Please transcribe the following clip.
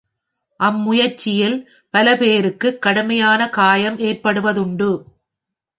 அம்முயற்சியில் பல பேருக்குக் கடுமையான காயம் ஏற்படுவதுண்டு.